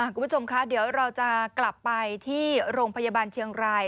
คุณผู้ชมคะเดี๋ยวเราจะกลับไปที่โรงพยาบาลเชียงราย